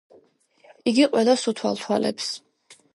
იგი ყველას უთვალთვალებს.